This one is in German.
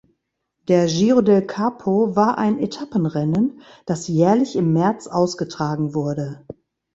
Der Giro del Capo war ein Etappenrennen, das jährlich im März ausgetragen wurde.